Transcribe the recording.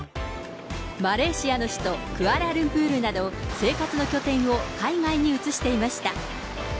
マレーシアの首都、クアラルンプールなど、生活の拠点を海外に移していました。